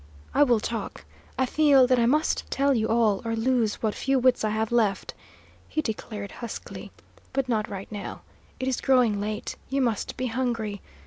"I will talk; I feel that I must tell you all, or lose what few wits I have left," he declared, huskily. "But not right now. It is growing late. You must be hungry.